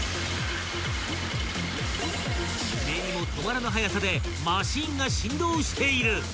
［目にも留まらぬ速さでマシンが振動している］